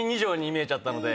見えちゃったので。